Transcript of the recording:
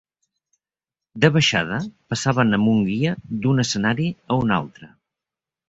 De baixada, passaven amb un guia d'un escenari a un altre.